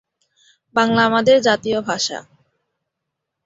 বাংলা আমাদের জাতীয় ভাষা।